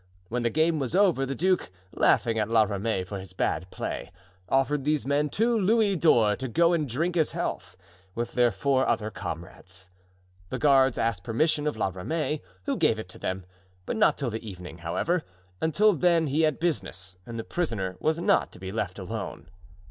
When the game was over, the duke, laughing at La Ramee for his bad play, offered these men two louis d'or to go and drink his health, with their four other comrades. The guards asked permission of La Ramee, who gave it to them, but not till the evening, however; until then he had business and the prisoner was not to be left alone.